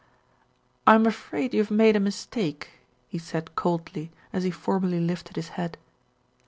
"I'm afraid you have made a mistake," he said coldly, as he formally lifted his hat.